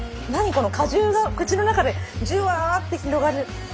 この果汁が口の中でじゅわって広がる。